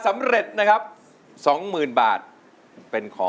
อาคุติก